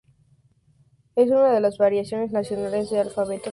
Es una de las variaciones nacionales del Alfabeto Cirílico.